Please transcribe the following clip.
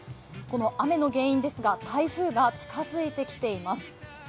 この雨の原因ですが、台風が近づいてきています。